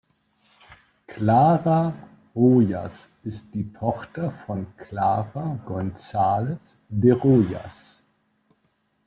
Clara Rojas ist die Tochter von Clara González de Rojas.